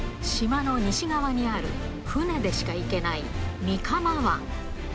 そこは島の西側にある船でしか行けない御釜湾。